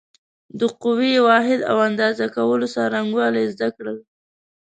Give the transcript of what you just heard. د قوې واحد او اندازه کولو څرنګوالی زده کړل.